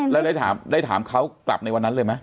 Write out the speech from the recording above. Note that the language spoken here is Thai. แล้วได้ถามเขากลับในวันนั้นเลยไหม